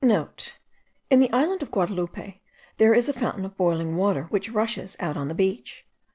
(* In the island of Guadaloupe, there is a fountain of boiling water, which rushes out on the beach.